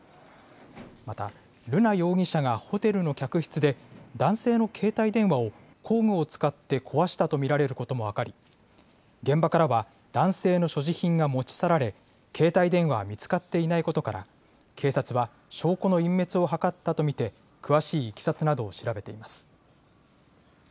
また、瑠奈容疑者がホテルの客室で、男性の携帯電話を工具を使って壊したと見られることも分かり、現場からは、男性の所持品が持ち去られ、携帯電話は見つかっていないことから、警察は、証拠の隠滅を図ったと見て、詳しいいきさつなどを調べています。